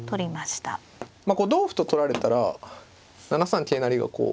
まあ同歩と取られたら７三桂成がこう。